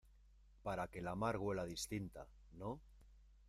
para que la mar huela distinta, ¿ no?